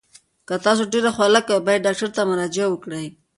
که تاسو ډیر خوله کوئ، باید ډاکټر ته مراجعه وکړئ.